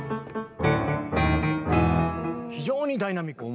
非常にダイナミック。